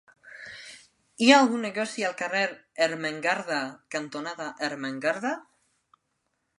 Hi ha algun negoci al carrer Ermengarda cantonada Ermengarda?